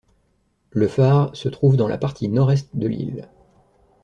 Le phare se trouve dans la partie nord-est de l'île.